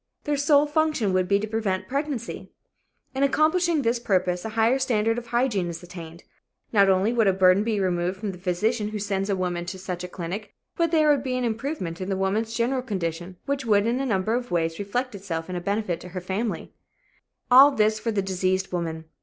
Their sole function should be to prevent pregnancy. In accomplishing this purpose, a higher standard of hygiene is attained. Not only would a burden be removed from the physician who sends a woman to such a clinic, but there would be an improvement in the woman's general condition which would in a number of ways reflect itself in benefit to her family. All this for the diseased woman.